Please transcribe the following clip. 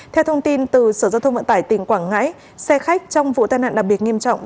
theo thông tin từ sở giao thông vận tải tỉnh quảng ngãi xe khách trong vụ tai nạn đặc biệt nghiêm trọng